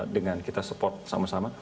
dengan kita support sama sama